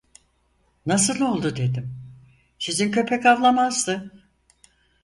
Nasıl oldu dedim, "sizin köpek havlamazdı!"